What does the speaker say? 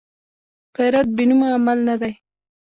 غیرت بېنومه عمل نه دی